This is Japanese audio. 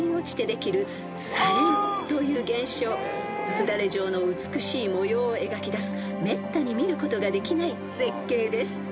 ［すだれ状の美しい模様を描き出すめったに見ることができない絶景です］